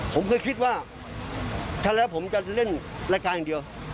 ผมเคยคิดว่าถ้าแล้วผมจะเล่นรายการอย่างเดียว